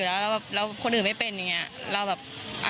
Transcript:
เพราะว่าคนเยอะค่ะ